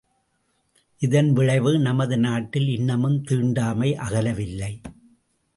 இதன் விளைவு நமது நாட்டில் இன்னமும் தீண்டாமை அகலவில்லை.